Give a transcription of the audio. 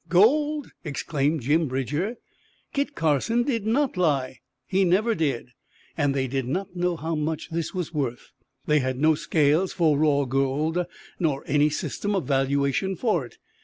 "Gold!" exclaimed Jim Bridger. "Kit Carson did not lie! He never did!" And they did not know how much this was worth. They had no scales for raw gold, nor any system of valuation for it.